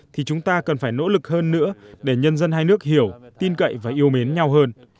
thì chúng ta cần phải nỗ lực hơn nữa để nhân dân hai nước hiểu tin cậy và yêu mến nhau hơn